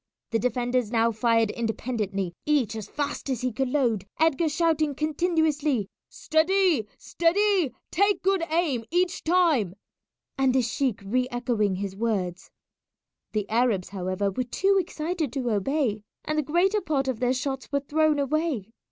The defenders now fired independently, each as fast as he could load, Edgar shouting continuously "Steady! steady! take a good aim each time," and the sheik re echoing his words. The Arabs, however, were too excited to obey, and the greater part of their shots were thrown away.